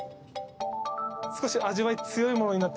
少し味わい強いものになってます